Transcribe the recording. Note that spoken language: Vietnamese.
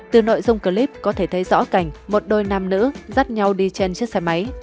từ nội dung clip có thể thấy rõ cảnh một đôi nam nữ dắt nhau đi trên chiếc xe máy